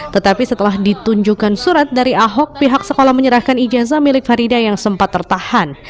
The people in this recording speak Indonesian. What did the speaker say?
tetapi setelah ditunjukkan surat dari ahok pihak sekolah menyerahkan ijazah milik farida yang sempat tertahan